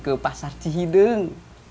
ke pasar cihideng